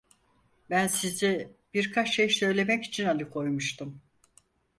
Ben sizi, birkaç şey söylemek için alıkoymuştum…